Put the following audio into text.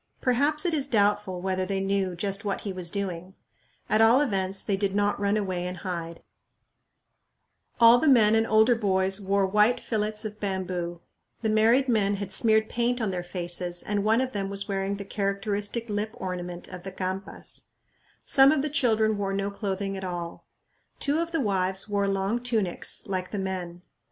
Perhaps it is doubtful whether they knew just what he was doing. At all events they did not run away and hide. FIGURE Campa Men at Espiritu Pampa FIGURE Campa Women and Children at Espiritu Pampa All the men and older boys wore white fillets of bamboo. The married men had smeared paint on their faces, and one of them was wearing the characteristic lip ornament of the Campas. Some of the children wore no clothing at all. Two of the wives wore long tunics like the men.